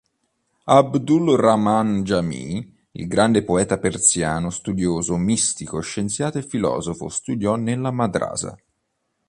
Abdul-Rahman Jami, il grande poeta Persiano, studioso, mistico, scienziato e filosofo studiò nella madrasa.